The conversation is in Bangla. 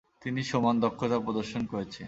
তিনি সমান দক্ষতা প্রদর্শন করেছেন।